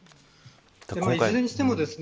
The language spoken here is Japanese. いずれにしてもですね